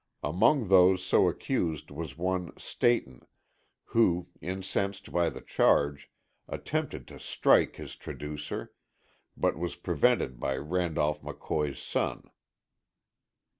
Among those so accused was one Stayton who, incensed by the charge, attempted to strike his traducer, but was prevented by Randolph McCoy's son.